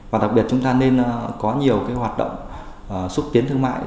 và đặc biệt chúng ta nên có nhiều hoạt động xúc tiến thương mại